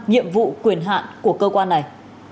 nhiệm vụ quyền hạn của cơ quan này